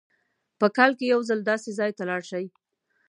په کال کې یو ځل داسې ځای ته لاړ شئ.